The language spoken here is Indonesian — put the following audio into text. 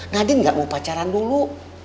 nadine gak mau pacaran dulu